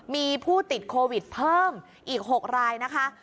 มีผู้ติดโควิดเพิ่มอีก๖รายนะคะ